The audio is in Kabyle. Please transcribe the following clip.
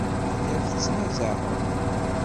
Telliḍ tettnazaɛeḍ.